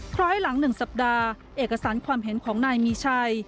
ร้อยหลัง๑สัปดาห์เอกสารความเห็นของนายมีชัย